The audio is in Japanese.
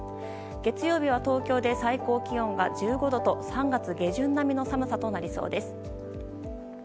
月曜日は東京で最高気温が１５度と３月下旬並みの寒さとなりそうです。